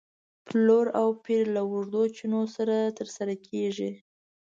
پلور او پېر له اوږدو چنو سره تر سره کېږي.